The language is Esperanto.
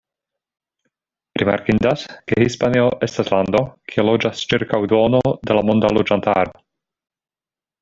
Rimarkindas, ke Hispanio estas lando kie loĝas ĉirkaŭ duono de la monda loĝantaro.